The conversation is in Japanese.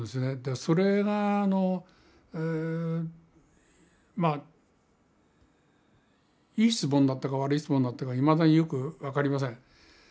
それがまあいい質問だったか悪い質問だったかいまだによく分かりません。